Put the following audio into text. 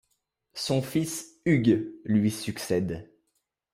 Son fils Hugues lui succède.